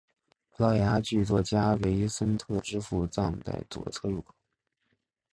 葡萄牙剧作家维森特之父葬在左侧入口。